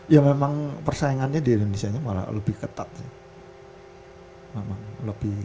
ya memang persaingannya di indonesia malah lebih ketat sih